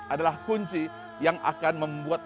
adalah kunci yang akan membuat